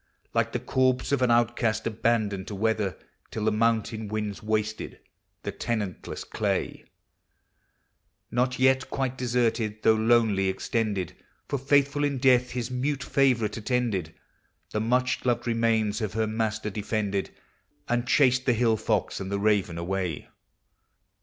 Like the corpse of an outcast abandoned to weather, Till the mountain wiuds wasted the tenant less clay ; Not yet quite deserted, though lonely extended, For, faithful in death, his mute favorite attended, The much loved remains of her master defended, And chased the hill fox and the raven away.